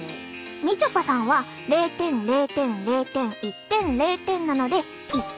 みちょぱさんは０点０点０点１点０点なので１点！